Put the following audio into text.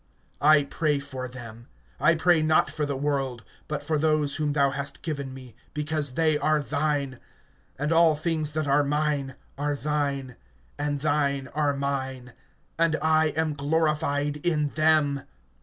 (9)I pray for them; I pray not for the world, but for those whom thou hast given me; because they are thine. (10)And all things that are mine are thine, and thine are mine; and I am glorified in them.